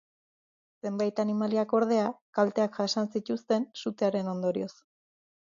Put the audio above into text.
Zenbait animalik, ordea, kalteak jasan zituzten sutearen ondorioz.